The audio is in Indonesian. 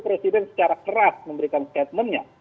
presiden secara keras memberikan statementnya